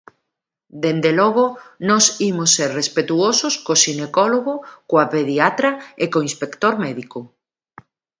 Dende logo, nós imos ser respectuosos co xinecólogo, coa pediatra e co inspector médico.